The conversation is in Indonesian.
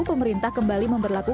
pemerintah kembali memerintahkan